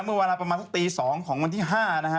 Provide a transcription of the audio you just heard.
เมื่อเวลาประมาณสักตี๒ของวันที่๕นะฮะ